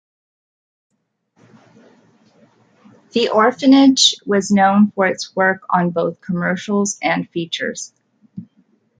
The Orphanage was known for its work on both commercials and features.